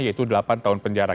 yaitu delapan tahun penjara